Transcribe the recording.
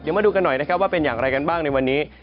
เดี๋ยวมาดูกันหน่อยนะครับว่าเป็นอย่างไรกันบ้างในวันนี้